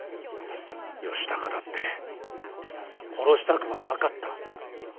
義高だって殺したくはなかった。